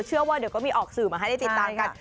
เชื่อว่าเดี๋ยวก็มีออกสื่อมาให้ได้ติดตามกัน